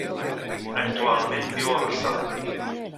Actualment, viu a Barcelona.